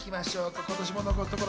今年も残すところ